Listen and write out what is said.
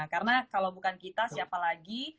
karena kalau bukan kita siapa lagi